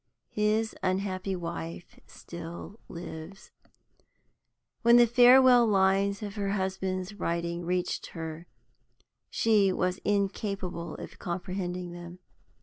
His unhappy wife still lives. When the farewell lines of her husband's writing reached her she was incapable of comprehending them.